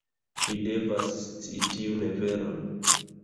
Vi devas scii tiun veron.